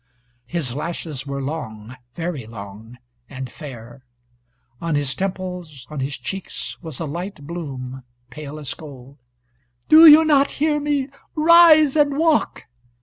His lashes were long, very long, and fair. On his temples, on his cheeks was a light bloom, pale as gold. "Do you not hear me? Rise and walk."